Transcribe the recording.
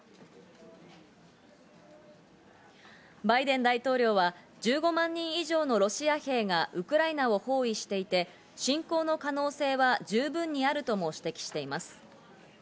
バイデン大統領は、１５万人以上のロシア兵がウクライナを包囲していて、侵攻の可能性は十分にあるとも指摘しています。